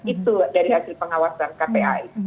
itu dari hasil pengawasan kpai